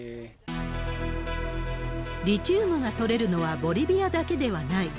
リチウムが採れるのはボリビアだけではない。